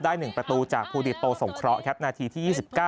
ได้๑ประตูจากภูดิตโตสงเคราะห์ครับนาทีที่๒๙